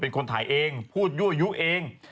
เป็นคนถ่ายเองพูดยั่วยุเอง